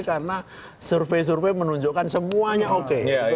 karena survei survei menunjukkan semuanya oke